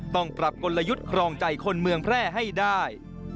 ต้องปรับกลยุทธ์ครองใจคนเมืองแพร่ให้ได้